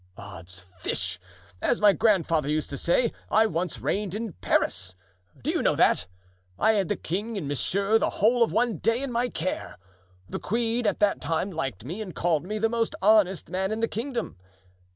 "Odds fish! as my grandfather used to say, I once reigned in Paris! do you know that? I had the king and Monsieur the whole of one day in my care. The queen at that time liked me and called me the most honest man in the kingdom.